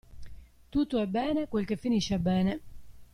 Tutto è bene quel che finisce bene.